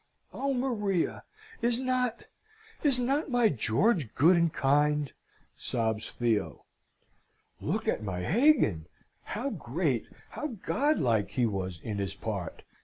"Oh, Maria! Is not is not my George good and kind?" sobs Theo. "Look at my Hagan how great, how godlike he was in his part!"